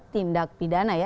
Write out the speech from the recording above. tindak pidana ya